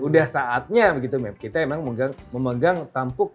udah saatnya gitu kita memang memegang tampuk